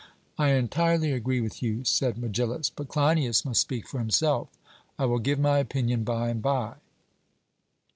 'I entirely agree with you,' said Megillus, 'but Cleinias must speak for himself.' 'I will give my opinion by and by.'